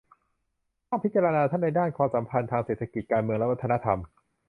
ต้องพิจารณาทั้งในด้านความสัมพันธ์ทางเศรษฐกิจ การเมืองและวัฒนธรรม